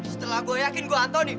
setelah gua yakin gua anthony